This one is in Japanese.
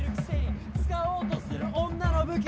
使おうとする女の武器